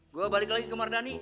gue balik lagi ke mardhani